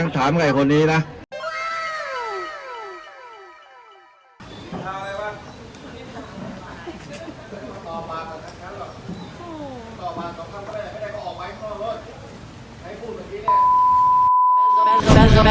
เธอตลาดอยู่แล้วไม่เห็นเหรอ